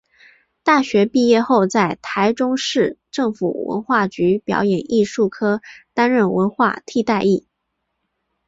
大学毕业后在台中市政府文化局表演艺术科担任文化替代役。